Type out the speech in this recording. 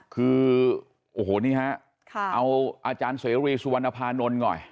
คือโอ้โหนี่ฮะเอาอาจารย์เสรีสุวรรณภานนท์หน่อย